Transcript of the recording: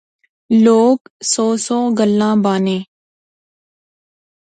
لوک سو سو گلاں بانے